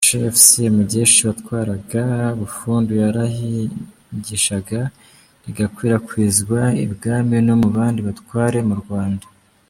Shefu Semugeshi watwaraga Bufundu yararihingishaga rigakwirakwizwa i ibwami no mu bandi batware mu Rwanda.